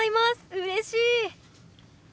うれしい！